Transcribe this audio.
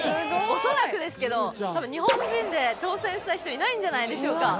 恐らくですけど多分日本人で挑戦した人いないんじゃないでしょうか？